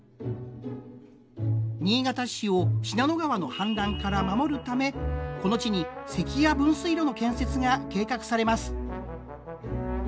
新潟市を信濃川の氾濫から守るためこの地に関屋分水路の建設が計画されます。